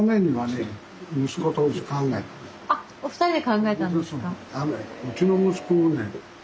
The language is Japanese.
あっお二人で考えたんですか？